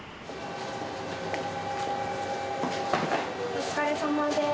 お疲れさまです。